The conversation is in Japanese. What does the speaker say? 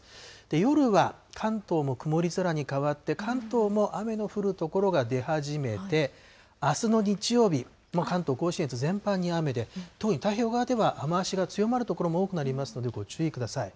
夜は、関東も曇り空に変わって、関東も雨の降る所が出始めて、あすの日曜日、関東甲信越全般に雨で、特に太平洋側では雨足の強まる所も多くなりますので、ご注意ください。